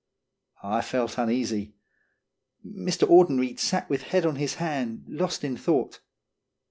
I felt uneasy. Mr. Audenried sat with head on his hand, lost in thought.